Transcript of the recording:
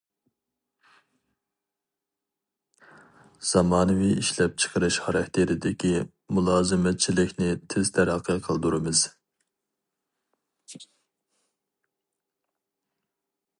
زامانىۋى ئىشلەپچىقىرىش خاراكتېرىدىكى مۇلازىمەتچىلىكنى تېز تەرەققىي قىلدۇرىمىز.